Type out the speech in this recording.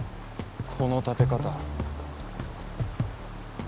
この建て方。